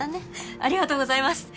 ありがとうございます。